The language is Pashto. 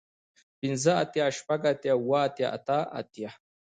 پنځۀ اتيا شپږ اتيا اووه اتيا اتۀ اتيا